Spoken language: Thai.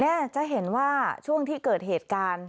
เนี่ยจะเห็นว่าช่วงที่เกิดเหตุการณ์